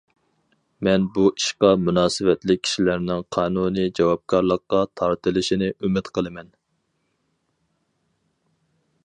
مەن بۇ ئىشقا مۇناسىۋەتلىك كىشىلەرنىڭ قانۇنىي جاۋابكارلىققا تارتىلىشىنى ئۈمىد قىلىمەن.